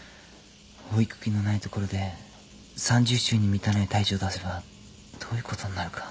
保育器のない所で３０週に満たない胎児を出せばどういうことになるか。